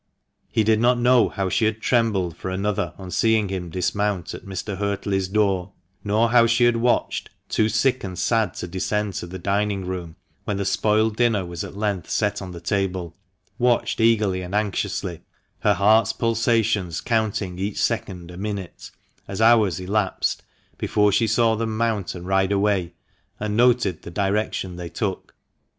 He did not know how she had trembled for another on seeing him dismount at Mr. Huertley 's door, nor how she had watched, too sick and sad to descend to the dining room, when the spoiled dinner was at length set on the table— watched eagerly and anxiously, her heart's pulsations counting each second a minute, as hours elapsed before she saw them mount and ride away, and noted the direction they took.